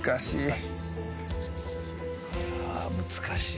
難しい。